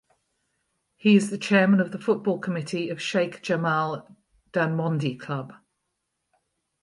He is the chairman of the football committee of Sheikh Jamal Dhanmondi Club.